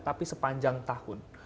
tapi sepanjang tahun